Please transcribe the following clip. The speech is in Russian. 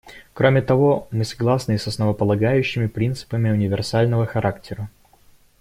Кроме того, мы согласны и с основополагающими принципами универсального характера.